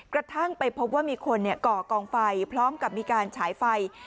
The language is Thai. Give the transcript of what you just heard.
กระทั่งไปพบว่ามีคนก่อกองไฟพร้อมกับมีการฉายไฟ